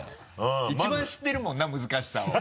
一番知ってるもんな難しさを。